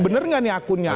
bener gak nih akunnya